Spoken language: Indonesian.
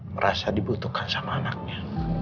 merasa dibutuhkan sama anaknya